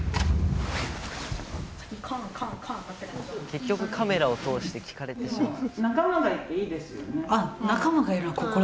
結局カメラを通して聞かれてしまう。